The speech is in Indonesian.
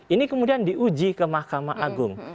ini kemudian diuji ke mahkamah agung